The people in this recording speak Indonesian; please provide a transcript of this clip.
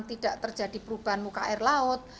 tidak terjadi perubahan muka air laut